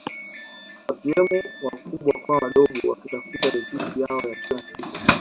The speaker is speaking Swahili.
Wakiwemo wakubwa kwa wadogo wakitafuta riziki yao ya kila siku